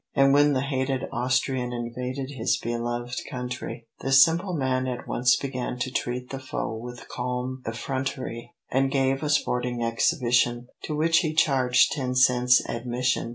And when the hated Austrian Invaded his belovéd country, This simple man at once began To treat the foe with calm effront'ry, And gave a sporting exhibition, To which he charged ten cents admission.